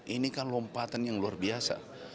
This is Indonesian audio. ini kan lompatan yang luar biasa